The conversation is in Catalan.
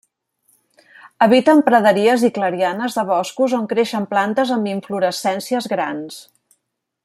Habita en praderies i clarianes de boscos on creixen plantes amb inflorescències grans.